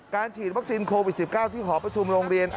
ฉีดวัคซีนโควิด๑๙ที่หอประชุมโรงเรียน